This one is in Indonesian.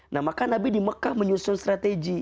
nah maka nabi di mekah menyusun strategi